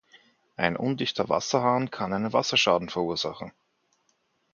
Ein undichter Wasserhahn kann einen Wasserschaden verursachen.